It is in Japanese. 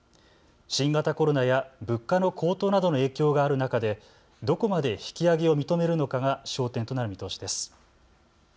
新型コロナや物価の高騰などの影響がある中で、どこまで引き上げを認めるのかが焦点となる見通しです。